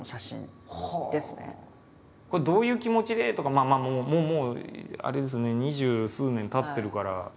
これどういう気持ちでとかまあまあもうあれですね二十数年たってるから。